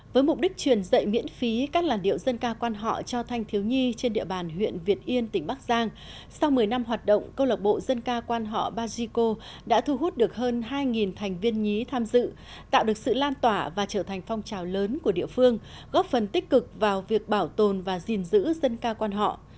với mục đích truyền dạy miễn phí các làn điệu dân ca quan họ cho thanh thiếu nhi trên địa bàn huyện việt yên tỉnh bắc giang sau một mươi năm hoạt động câu lạc bộ dân ca quan họ bajiko đã thu hút được hơn hai thành viên nhí tham dự tạo được sự lan tỏa và trở thành phong trào lớn của địa phương góp phần tích cực vào việc bảo tồn và gìn giữ dân ca quan họ